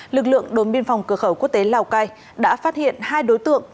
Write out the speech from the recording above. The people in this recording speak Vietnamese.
lực lượng đồn biên phòng cửa khẩu quốc tế lào cai đã phát hiện hai đối tượng